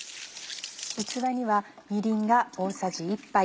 器にはみりんが大さじ１杯。